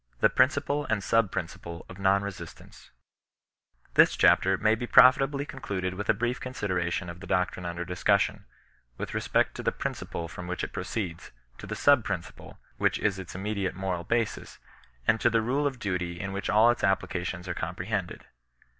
17 THB PBINCIPLE jLNB SUB PBINGIPLE OF VON SESIBTAKCIL This chapter may he profitabl j concluded with a hrief consideration of the doctrine under discussion, with re spect to the principle from which it proceeds, to the mb pHnciple which is its immediate moral hasis, and to the rule of duty in which all its applications are compre hended.